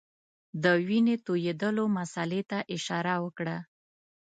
د وینو تویېدلو مسلې ته اشاره وکړه.